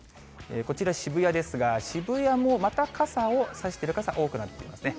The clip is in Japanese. こちら、渋谷ですが、渋谷もまた傘を差してる方、多くなっていますね。